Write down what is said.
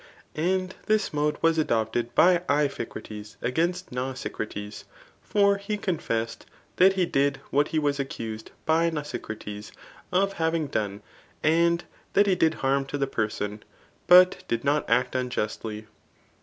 And this mode was adopted by Iphicrates against Nausicrates. For he confessed that he did what he was accused by Nausicrates of having done, and that he did harm to the person, but did not act unjustly.